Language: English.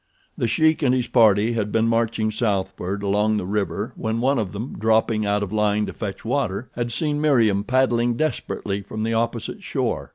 The Sheik and his party had been marching southward along the river when one of them, dropping out of line to fetch water, had seen Meriem paddling desperately from the opposite shore.